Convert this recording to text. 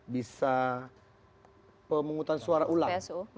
bisa pemungutan suara ulang